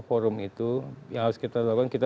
forum itu yang harus kita lakukan kita